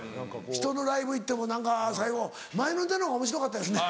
ひとのライブ行っても何か最後「前のネタのほうがおもしろかったですね」